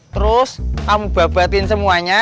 terus kamu babatin semuanya